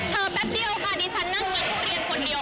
เธอแป๊บเดียวค่ะดิฉันนั่งกันทุเรียนคนเดียว